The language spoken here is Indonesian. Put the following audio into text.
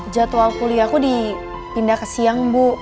jadwal kuliahku dipindah ke siang bu